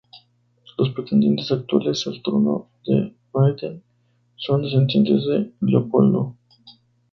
Los pretendientes actuales al trono de Baden son descendientes de Leopoldo.